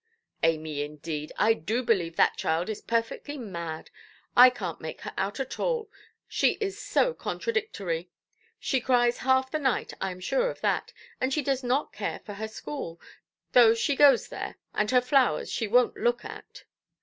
"Amy, indeed! I do believe that child is perfectly mad. I canʼt make her out at all, she is so contradictory. She cries half the night, I am sure of that; and she does not care for her school, though she goes there; and her flowers she wonʼt look at".